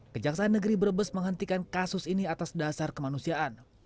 kejaksaan negeri brebes menghentikan kasus ini atas dasar kemanusiaan